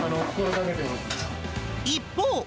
一方。